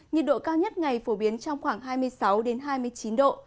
nhiệt độ cao nhất ngày phổ biến trong khoảng hai mươi sáu hai mươi chín độ